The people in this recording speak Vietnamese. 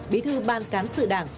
bí thư ban cán sử đảng